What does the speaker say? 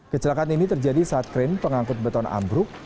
kecelakaan ini terjadi saat kren pengangkut beton ambruk